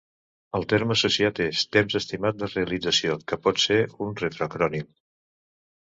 El terme associat és "temps estimat de realització", que pot ser un retroacrònim.